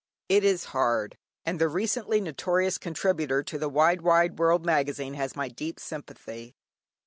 It is hard! and the recently notorious contributor to the "Wide Wide World" Magazine has my deep sympathy.